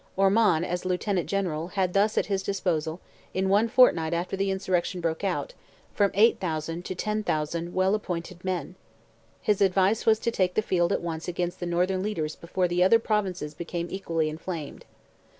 Ormond, as Lieutenant General, had thus at his disposal, in one fortnight after the insurrection broke out, from 8,000 to 10,000 well appointed men; his advice was to take the field at once against the northern leaders before the other Provinces became equally inflamed.